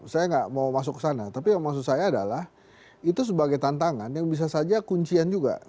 saya nggak mau masuk ke sana tapi yang maksud saya adalah itu sebagai tantangan yang bisa saja kuncian juga